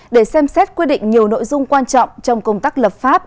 để xem xét quy định nhiều nội dung quan trọng trong công tác lập pháp